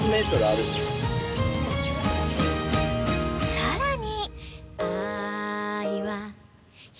［さらに］